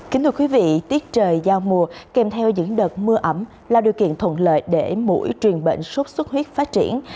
kính thưa quý vị tiết trời giao mùa kèm theo những đợt mưa ẩm là điều kiện thuận lợi để mũi truyền bệnh sốt xuất huyết phát triển